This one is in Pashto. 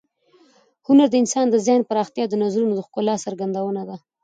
هنر د انسان د ذهن پراختیا او د نظرونو د ښکلا څرګندونه ده.